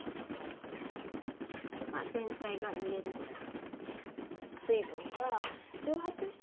全体がぬれるぐらい。